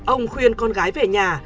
ông khuyên con gái về nhà